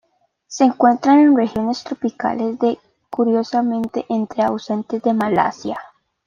Se encuentran en regiones tropicales, pero curiosamente están ausentes de Malasia.